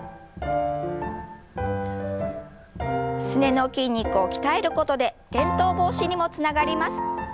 すねの筋肉を鍛えることで転倒防止にもつながります。